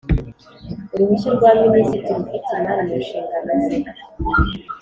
Uruhushya rwa minisitiri ufite imari mu nshingano ze